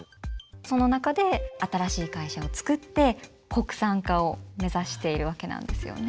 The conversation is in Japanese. その中で新しい会社をつくって国産化を目指しているわけなんですよね。